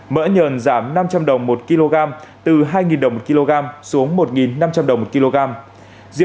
mỡ nhờn giảm năm trăm linh đồng một kg từ hai đồng một kg xuống một năm trăm linh đồng một kg